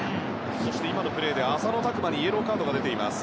そして今のプレーで浅野拓磨にイエローカード。